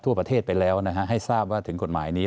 ทั่วประเทศไปแล้วนะฮะให้ทราบว่าถึงกฎหมายนี้